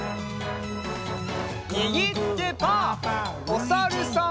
おさるさん。